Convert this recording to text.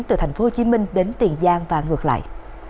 tuyến từ tp hcm đến tiền giang và ngược lại